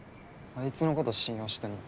あいつのこと信用してんの？